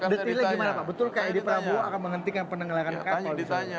detailnya gimana pak betul ke edi prabowo akan menghentikan penenggelakan kapal disini